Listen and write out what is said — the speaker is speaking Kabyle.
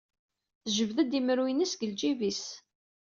Tejbed-d imru-ines seg lǧib-is.